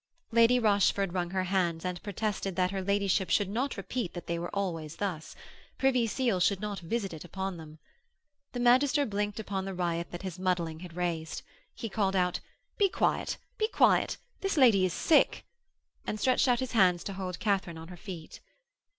Lady Rochford wrung her hands and protested that her ladyship should not repeat that they were always thus. Privy Seal should not visit it upon them. The magister blinked upon the riot that his muddling had raised. He called out, 'Be quiet. Be quiet. This lady is sick!' and stretched out his hands to hold Katharine on her feet.